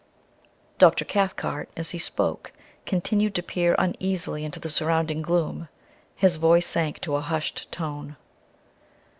Dr. Cathcart, as he spoke, continued to peer uneasily into the surrounding gloom. His voice sank to a hushed tone.